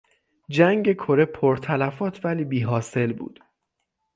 جنگ کره پرتلفات ولی بیحاصل بود.